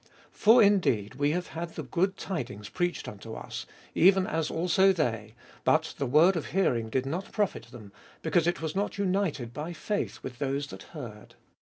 For indeed we have had good tidings preached unto us, even as also they : but the word of hearing did not profit them, because it was not united by faith with those that heard.